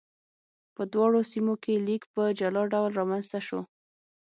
په دواړو سیمو کې لیک په جلا ډول رامنځته شو.